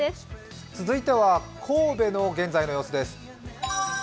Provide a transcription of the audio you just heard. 続いては神戸の現在の様子です。